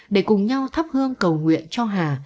để cùng nhau thắp hương cầu nguyện cho hà